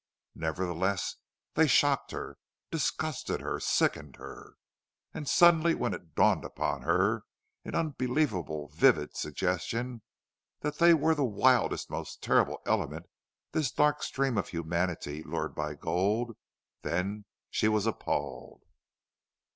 Nevertheless, they shocked her, disgusted her, sickened her. And suddenly when it dawned upon her in unbelievable vivid suggestion that they were the wildest and most terrible element of this dark stream of humanity lured by gold, then she was appalled.